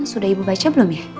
sudah ibu baca belum ya